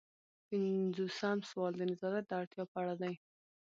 پنځوسم سوال د نظارت د اړتیا په اړه دی.